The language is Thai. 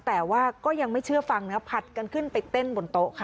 แต่ว่าก็ยังไม่เชื่อฟังนะผัดกันขึ้นไปเต้นบนโต๊ะค่ะ